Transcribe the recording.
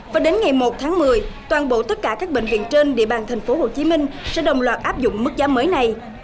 và đến ngày một tháng một mươi toàn bộ tất cả các bệnh viện trên địa bàn thành phố hồ chí minh sẽ đồng loạt áp dụng mức giá mới này